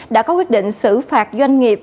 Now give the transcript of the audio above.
đã có quyết định xử phạt doanh nghiệp